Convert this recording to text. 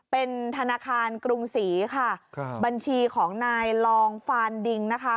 เป็นธนาคารกรุงศรีค่ะครับบัญชีของนายลองฟานดิงนะคะ